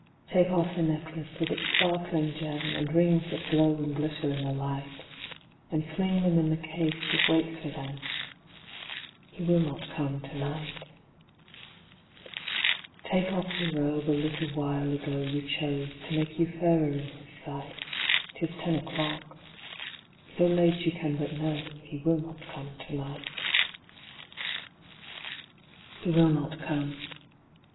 Take off the necklace with its sparkling gem, And rings that glow and glitter in the light, And fling them in the case that waits for them He will not come to night. Take off the robe a little while ago You chose, to make you fairer in his sight; 'Tis ten o'clock. So late you can but know He will not come to night. He will not come.